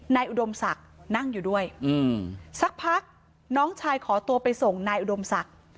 อุดมศักดิ์นั่งอยู่ด้วยสักพักน้องชายขอตัวไปส่งนายอุดมศักดิ์